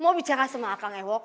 mau bicara sama kang ewo